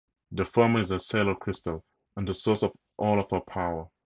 The former is her Sailor Crystal and the source of all of her power.